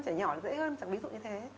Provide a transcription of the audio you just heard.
trẻ nhỏ dễ hơn chẳng ví dụ như thế